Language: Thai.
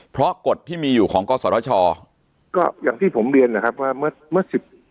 เพราะกฎที่มีอยู่ของกศชก็อย่างที่ผมเรียนนะครับว่าเมื่อเมื่อสิบ